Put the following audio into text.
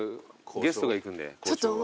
ゲストが行くんで交渉は。